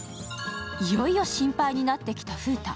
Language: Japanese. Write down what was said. いよいよ心配になってきたフータ。